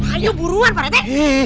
ayo buruan pak rete